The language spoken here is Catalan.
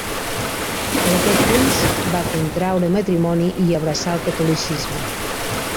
Per aquest temps va contraure matrimoni i abraçà el catolicisme.